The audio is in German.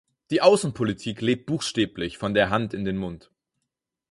Die Außenpolitik lebt buchstäblich von der Hand in den Mund.